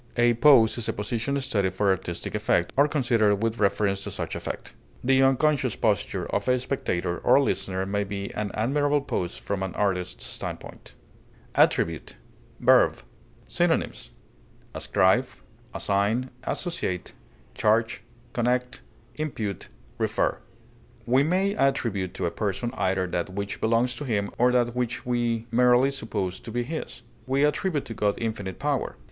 A pose is a position studied for artistic effect, or considered with reference to such effect; the unconscious posture of a spectator or listener may be an admirable pose from an artist's standpoint. ATTRIBUTE, v. Synonyms: ascribe, associate, connect, impute, refer. assign, charge, We may attribute to a person either that which belongs to him or that which we merely suppose to be his. We attribute to God infinite power.